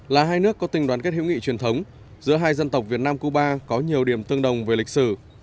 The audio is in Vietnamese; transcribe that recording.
là hai nước có tình đoàn kết hữu nghị truyền thống giữa hai dân tộc việt nam cuba có nhiều điểm tương đồng về lịch sử